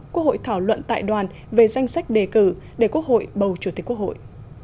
quốc hội thảo luận tại đoàn về danh sách đề cử để quốc hội bầu chủ tịch quốc hội